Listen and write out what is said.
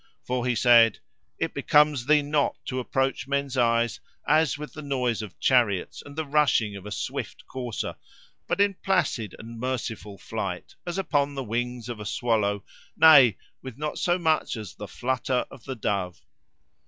For he said, 'It becomes thee not to approach men's eyes as with the noise of chariots, and the rushing of a swift courser, but in placid and merciful flight, as upon the wings of a swallow—nay! with not so much as the flutter of the dove.